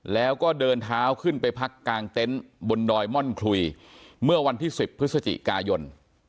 แล้วก็เดินเท้าขึ้นไปพักกลางเต็นต์บนดอยม่อนคลุยเมื่อวันที่๑๐พฤศจิกายน